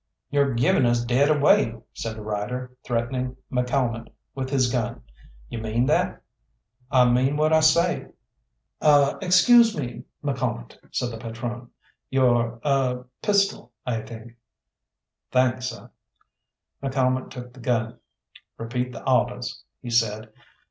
"You're giving us dead away!" said the rider, threatening McCalmont with his gun. "You mean that?" "I mean what I say." "Ah! Excuse me, McCalmont," said the patrone, "your er pistol, I think." "Thanks, seh." McCalmont took the gun. "Repeat the awdehs!" he said.